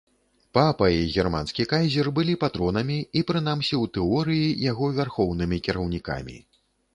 Папа і германскі кайзер былі патронамі і, прынамсі ў тэорыі, яго вярхоўнымі кіраўнікамі.